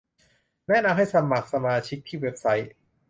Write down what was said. แนะนำให้สมัครสมาชิกที่เว็บไซต์